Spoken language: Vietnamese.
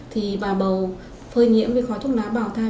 thì bà bầu phơi nhiễm với khói thuốc lá bào tay